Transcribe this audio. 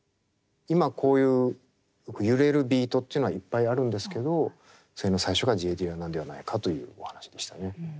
今こういう揺れるビートというのはいっぱいあるんですけどそれの最初がＪ・ディラなんではないかというお話でしたね。